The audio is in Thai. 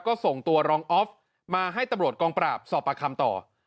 ก็ส่งตัวรองออฟมาให้ตำรวจกองปราบสอบประคำต่อ